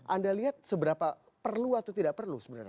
anda lihat seberapa perlu atau tidak perlu sebenarnya